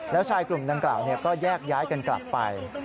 แล้วชายกลุ่มดังกล่าวก็แยกย้ายกันกลับไป